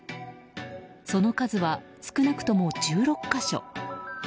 その数は、少なくとも１６か所。